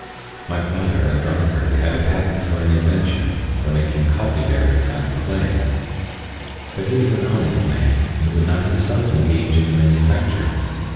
My father, a drunkard, had a patent for an invention, for making coffee berries out of clay; but he was an honest man and would not himself engage in the manufacture.